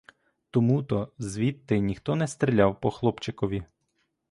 Тому-то звідти ніхто не стріляв по хлопчикові.